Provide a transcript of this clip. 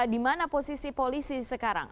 dimana posisi polisi sekarang